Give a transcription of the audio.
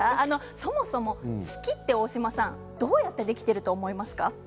そもそも月というのはどうやってできていると思いますか。